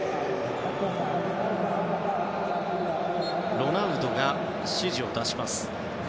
ロナウドが指示を出します。